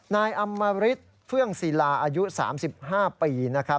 นายอำมริตเฟื่องศิลาอายุ๓๕ปีนะครับ